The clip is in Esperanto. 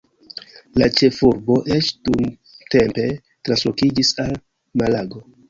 La ĉefurbo eĉ dumtempe translokiĝis al Malago.